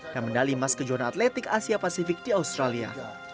dan medali emas kejuaraan atletik asia pasifik di australia